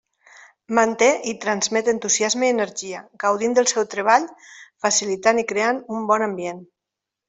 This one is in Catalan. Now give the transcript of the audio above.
Manté i transmet entusiasme i energia, gaudint del seu treball facilitant i creant un bon ambient.